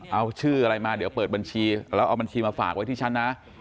เอาชื่ออะไรมาเดี๋ยวเปิดบัญชีแล้วเอาบัญชีมาฝากไว้ที่ฉันนะ